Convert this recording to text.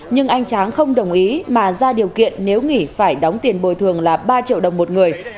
nhưng anh tráng không đồng ý mà ra điều kiện nếu nghỉ phải đóng tiền bồi thường là ba triệu đồng một người